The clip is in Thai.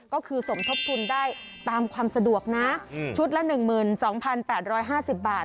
ก็คือสมทบทุนได้ตามความสะดวกนะชุดละ๑๒๘๕๐บาท